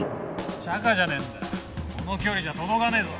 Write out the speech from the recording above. チャカじゃねえんだこの距離じゃ届かねえぞ。